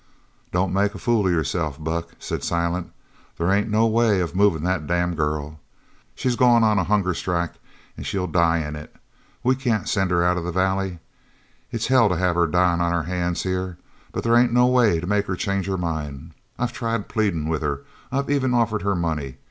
"Don't make a fool of yourself, Buck," said Silent. "There ain't no way of movin' that damn girl. She's gone on a hunger strike an' she'll die in it. We can't send her out of the valley. It's hell to have her dyin' on our hands here. But there ain't no way to make her change her mind. I've tried pleadin' with her I've even offered her money.